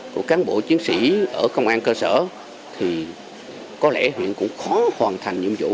của cán bộ chiến sĩ ở công an cơ sở thì có lẽ huyện cũng khó hoàn thành nhiệm vụ